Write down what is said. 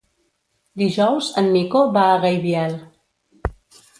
Dijous en Nico va a Gaibiel.